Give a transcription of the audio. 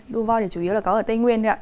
đua voi chủ yếu là có ở tây nguyên